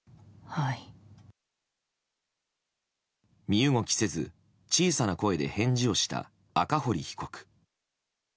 身動きせず小さな声で返事をした赤堀被告。